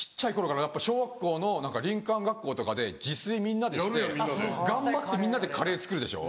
小学校の林間学校とかで自炊みんなでして頑張ってみんなでカレー作るでしょ？